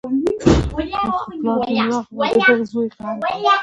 جنازه یې هدیرې ته راوړه.